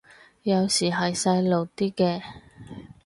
有時係細路啲嘅